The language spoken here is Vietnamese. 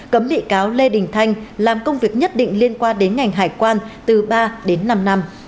cấm bị cáo lê đình thanh làm công việc nhất định liên quan đến ngành hải quan từ ba đến năm năm